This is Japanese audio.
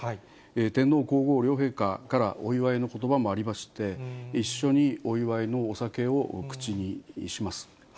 天皇皇后両陛下からお祝いのことばもありまして、一緒にお祝いのお酒を口にします。